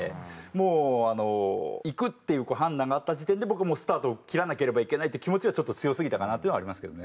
もう行くっていう判断があった時点で僕もスタートを切らなければいけないって気持ちがちょっと強すぎたかなっていうのはありますけどね。